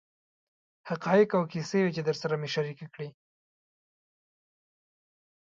حقایق او کیسې وې چې درسره مې شریکې کړې.